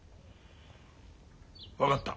分かった。